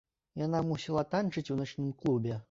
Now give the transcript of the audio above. Яна мусіла танчыць у начным клубе.